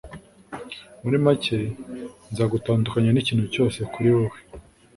Muri make nzagutandukanya n'ikintu cyose kuri wewe